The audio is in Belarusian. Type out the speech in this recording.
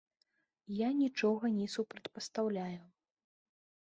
Я нічога не супрацьпастаўляю.